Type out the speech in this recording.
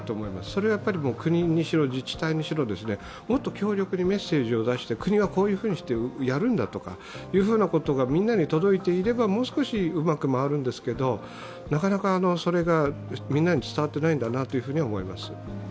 それは国にしろ、自治体にしろもっと強力にメッセージを出して国がこういうふうにしてやるんだとかということがみんなに届いていれば、もう少しうまく回るんですがなかなかそれがみんなに伝わっていないんだなと思います。